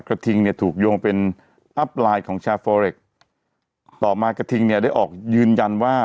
ทิงเนี่ยถูกโยงเป็นอัพไลน์ของชาโฟเรคต่อมากระทิงเนี่ยได้ออกยืนยันว่า